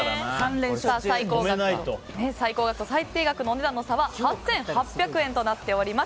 最高額と最低額のお値段の差は８８００円となっております。